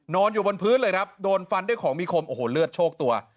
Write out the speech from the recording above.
นอนอยู่บนพื้นเลยครับโดนฟันด้วยของมีคมโอ้โหเลือดโชคตัว